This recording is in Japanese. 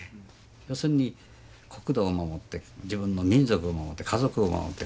要するに国土を守って自分の民族を守って家族を守って。